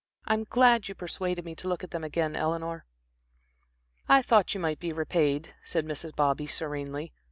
I am glad you persuaded me to look at them again, Eleanor." "I thought you might be repaid," said Mrs. Bobby, serenely.